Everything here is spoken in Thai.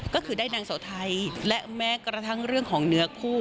ก็คือได้นางเสาไทยและแม้กระทั่งเรื่องของเนื้อคู่